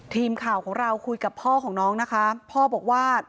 ทีมข่าวของเราคุยกับพ่อของน้องนะคะพ่อบอกว่า